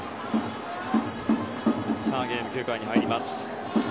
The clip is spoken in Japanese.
ゲームは９回に入ります。